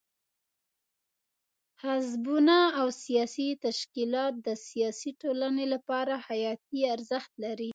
حزبونه او سیاسي تشکیلات د سیاسي ټولنې لپاره حیاتي ارزښت لري.